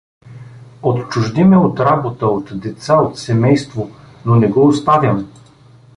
Отчужди ме от работа, от деца, от семейство… Но не го оставям.